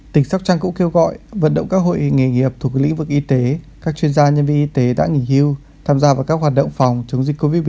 tỉnh sóc trăng cũng kêu gọi vận động các hội nghề nghiệp thuộc lĩnh vực y tế các chuyên gia nhân viên y tế đã nghỉ hưu tham gia vào các hoạt động phòng chống dịch covid một mươi chín